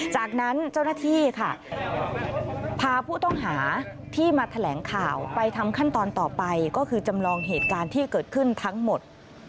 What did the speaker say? จากนั้นเจ้าหน้าที่ค่ะพาผู้ต้องหาที่มาแถลงข่าวไปทำขั้นตอนต่อไปก็คือจำลองเหตุการณ์ที่เกิดขึ้นทั้งหมด